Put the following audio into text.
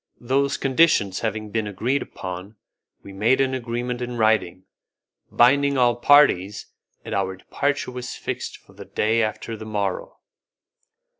Those conditions having been agreed upon, we made an agreement in writing, binding upon all parties, and our departure was fixed for the day after the morrow.